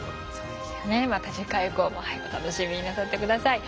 また次回以降もお楽しみになさって下さい。